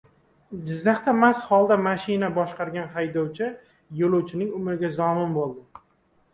Jizzaxda mast holda mashina boshqargan haydovchi yo‘lovchining umriga zomin bo‘ldi